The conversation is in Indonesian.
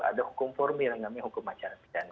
ada hukum formil yang namanya hukum acara pidana